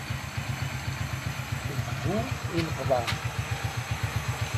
D bu ilefḍan!